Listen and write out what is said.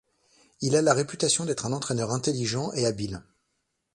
Il a la réputation d'être un entraîneur intelligent et habile.